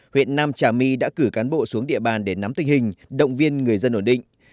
huyện nam trà my đã cử cán bộ xuống địa bàn để nắm tình hình động viên người dân ổn định